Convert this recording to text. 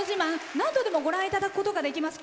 何度でもご覧いただくことができます。